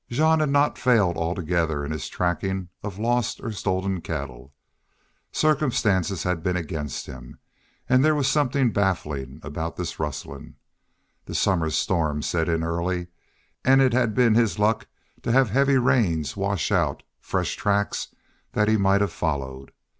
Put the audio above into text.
Jean had not failed altogether in his tracking of lost or stolen cattle. Circumstances had been against him, and there was something baffling about this rustling. The summer storms set in early, and it had been his luck to have heavy rains wash out fresh tracks that he might have followed.